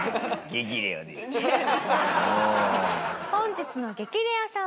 本日の激レアさんは。